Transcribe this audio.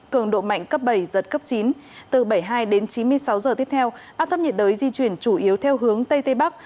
cường độ mạnh cấp bảy giật cấp chín từ bảy mươi hai đến chín mươi sáu giờ tiếp theo áp thấp nhiệt đới di chuyển chủ yếu theo hướng tây tây bắc